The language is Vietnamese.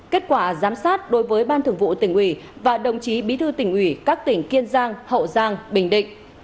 kết quả giám sát đối với ban thường vụ tỉnh ủy và đồng chí bí thư tỉnh ủy các tỉnh kiên giang hậu giang bình định